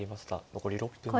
残り６分です。